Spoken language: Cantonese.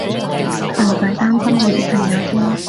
純粹擔心我啲朋友啫